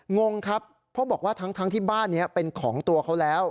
งงครับเพราะบอกว่าทั้งที่บ้านนี้เป็นของตัวเขาแล้ว